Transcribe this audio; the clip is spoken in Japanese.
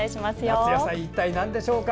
夏野菜なんでしょうか。